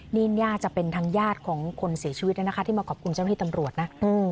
นี่น่าจะเป็นทางญาติของคนเสียชีวิตนะคะที่มาขอบคุณเจ้าหน้าที่ตำรวจนะ